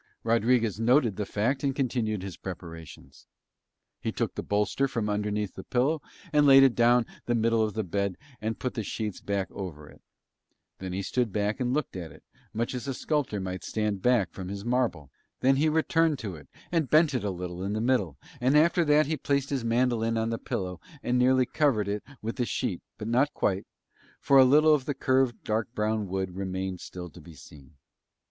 Rodriguez noted the fact and continued his preparations. He took the bolster from underneath the pillow and laid it down the middle of the bed and put the sheets back over it; then he stood back and looked at it, much as a sculptor might stand back from his marble, then he returned to it and bent it a little in the middle, and after that he placed his mandolin on the pillow and nearly covered it with the sheet, but not quite, for a little of the curved dark brown wood remained still to be seen.